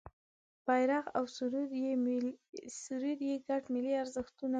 بېرغ او سرود یې ګډ ملي ارزښتونه وي.